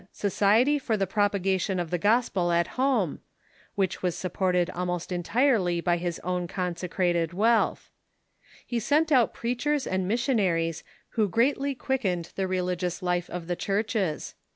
r ^^• r 'i ^" bociety tor the 1 roj>agation or the Gospel at Home," whicli was supported almost entirely by his own con secrated wealth. He sent out preachers and missionaries who greatly quickened the religious life of the Churches.